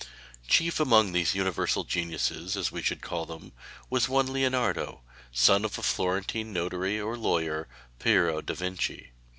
Chief among these 'Universal Geniuses,' as we should call them, was one Leonardo, son of the Florentine notary or lawyer, Piero da Vinci.